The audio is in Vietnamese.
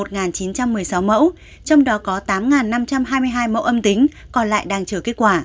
trong đó có tám năm trăm hai mươi hai mẫu âm tính còn lại đang chờ kết quả